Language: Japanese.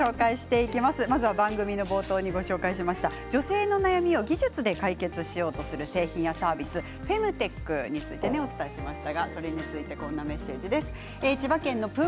まずは番組の冒頭にご紹介しました女性の悩みを技術で解決しようとする製品やサービスフェムテックについてお伝えしました。